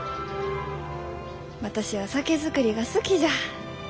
私は酒造りが好きじゃ。